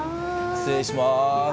失礼します。